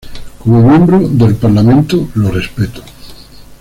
Como miembro del Parlamento, lo respeto.